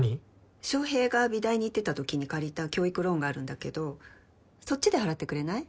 翔平が美大に行ってたときに借りた教育ローンがあるんだけどそっちで払ってくれない？